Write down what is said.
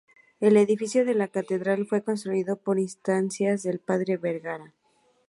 El edificio de la catedral fue construido por instancias del padre Vergara.